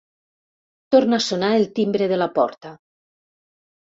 Torna a sonar el timbre de la porta.